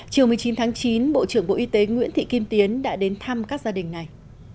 chiều một mươi chín tháng chín bộ trưởng bộ y tế nguyễn thị kim tiến đã đến thăm các gia đình này